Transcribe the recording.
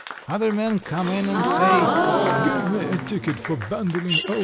Other men come in and say: "Give me a ticket for Bandoline, O.